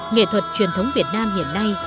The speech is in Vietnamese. nghệ thuật truyền thống việt nam hiện nay